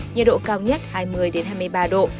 nhiệt độ cao nhất hai mươi hai mươi ba độ